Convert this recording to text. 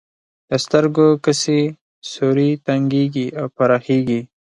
د سترګو کسي سوری تنګیږي او پراخیږي.